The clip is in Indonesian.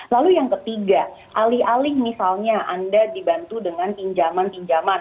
lalu yang ketiga alih alih misalnya anda dibantu dengan pinjaman pinjaman